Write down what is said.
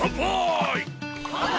乾杯！